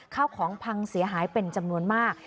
ข้าวของพังเสียหายเป็นจำนวนมาก